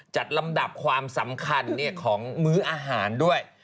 ลำดับความสำคัญของมื้ออาหารด้วย